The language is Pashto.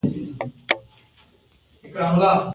غوږونه د سپیڅلي غږ تمه کوي